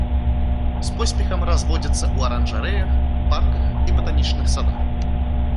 З поспехам разводзіцца ў аранжарэях, парках і батанічных садах.